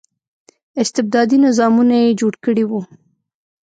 استبدادي نظامونه یې جوړ کړي وو.